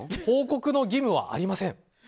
報告の義務はありません！